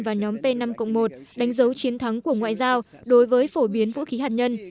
và nhóm p năm một đánh dấu chiến thắng của ngoại giao đối với phổ biến vũ khí hạt nhân